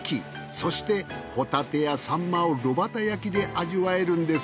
そしてホタテやサンマを炉端焼きで味わえるんです。